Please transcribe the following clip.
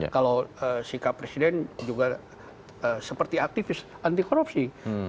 kalau sikap presiden juga seperti aktivis anti korupsi